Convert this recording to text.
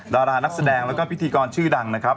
ดารานักแสดงแล้วก็พิธีกรชื่อดังนะครับ